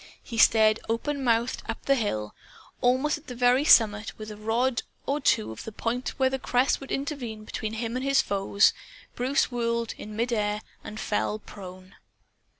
He stared open mouthed up the hill. Almost at the very summit, within a rod or two of the point where the crest would intervene between him and his foes, Bruce whirled in mid air and fell prone.